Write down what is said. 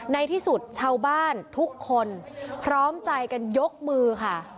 ในที่สุดชาวบ้านทุกคนพร้อมใจกันยกมือค่ะ